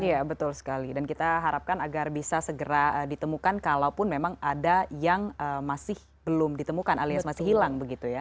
iya betul sekali dan kita harapkan agar bisa segera ditemukan kalaupun memang ada yang masih belum ditemukan alias masih hilang begitu ya